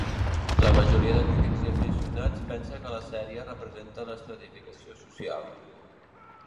La majoria de crítics i aficionats pensa que la sèrie representa l'estratificació social.